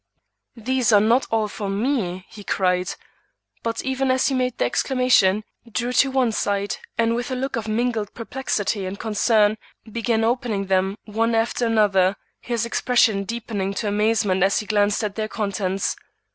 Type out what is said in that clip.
"These are not all for me!" he cried, but even as he made the exclamation, drew to one side, and with a look of mingled perplexity and concern, began opening them one after another, his expression deepening to amazement as he glanced at their contents.